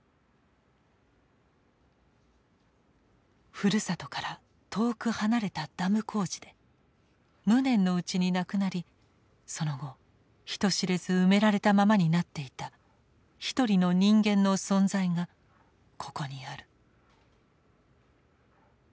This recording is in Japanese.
ふるさとから遠く離れたダム工事で無念のうちに亡くなりその後人知れず埋められたままになっていたひとりの人間の存在がここにある。